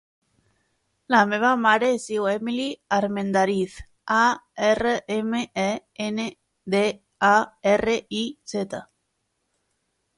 La meva mare es diu Emily Armendariz: a, erra, ema, e, ena, de, a, erra, i, zeta.